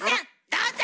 どうぞ！